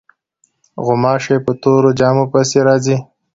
غوماشې په تورو جامو پسې راځي.